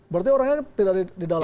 berarti orangnya tidak di dalam